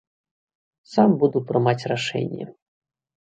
Сам буду прымаць рашэнне.